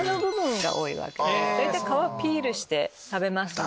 大体皮ピールして食べますので。